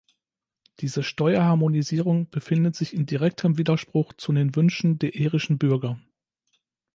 Diese Steuerharmonisierung befindet sich in direktem Widerspruch zu den Wünschen der irischen Bürger.